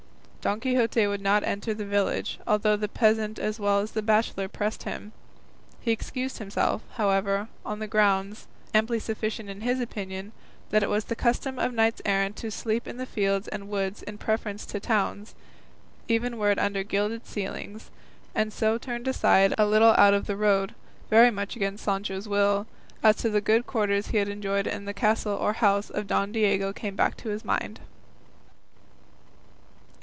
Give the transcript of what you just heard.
Don Quixote would not enter the village, although the peasant as well as the bachelor pressed him; he excused himself, however, on the grounds, amply sufficient in his opinion, that it was the custom of knights errant to sleep in the fields and woods in preference to towns, even were it under gilded ceilings; and so turned aside a little out of the road, very much against Sancho's will, as the good quarters he had enjoyed in the castle or house of Don Diego came back to his mind.